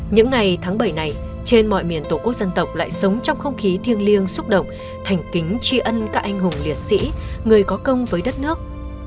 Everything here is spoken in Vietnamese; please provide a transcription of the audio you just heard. những ngày tháng bảy này trên mọi miền tổ quốc dân tộc lại sống trong không khí thiêng liêng xúc động thành kính tri ân các anh hùng liệt sĩ người có công với đất nước